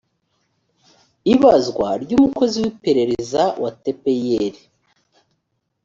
ibazwa ry’umukozi w’iperereza wa tpir